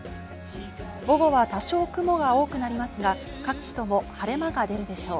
午後は多少雲が多くなりますが、各地とも晴れ間が出るでしょう。